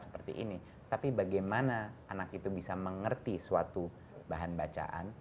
seperti ini tapi bagaimana anak itu bisa mengerti suatu bahan bacaan